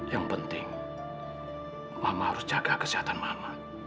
yang penting mama harus jaga kesehatan mama